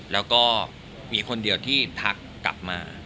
แล้วก็มีคนเดียวที่ช่วยถามกลับมา